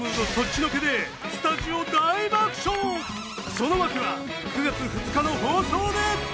その訳は９月２日の放送で！